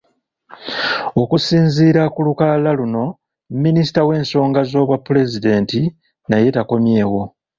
Okusinziira ku lukalala luno, Minisita w’ensonga z’Obwapulezidenti naye takommyewo.